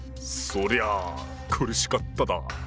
そりゃあ苦しかっただ。